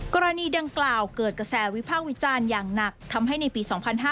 กรณีดังกล่าวเกิดกระแสวิพากษ์วิจารณ์อย่างหนักทำให้ในปี๒๕๕๙